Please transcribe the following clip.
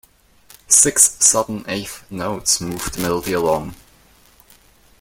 Six sudden eighth notes move the melody along.